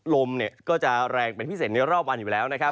ลมก็จะแรงเป็นพิเศษในรอบวันอยู่แล้วนะครับ